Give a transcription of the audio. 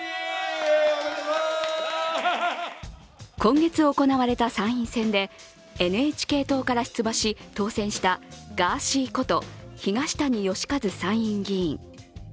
今月行われた参院選で、ＮＨＫ党から出馬し、当選したガーシーこと東谷義和参院議員。